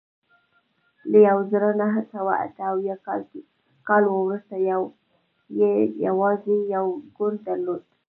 له یوه زرو نهه سوه اته اویا کال وروسته یې یوازې یو ګوند درلود.